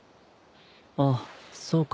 あっそうか。